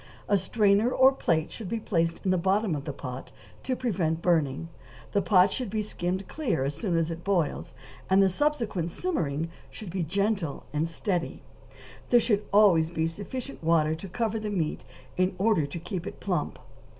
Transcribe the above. A strainer or plate should be placed in the bottom of the pot to prevent burning; the pot should be skimmed clear as soon as it boils, and the subsequent simmering should be gentle and steady; there should always be sufficient water to cover the meat in order to keep it plump.